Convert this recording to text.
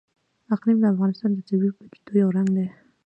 اقلیم د افغانستان د طبیعي پدیدو یو رنګ دی.